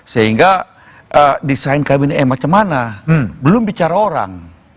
sehingga desain kabinetnya bagaimana belum bicara orang